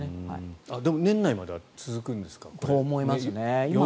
でも年内までは続くんですか？